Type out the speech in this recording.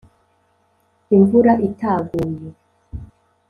Imvura itaguye.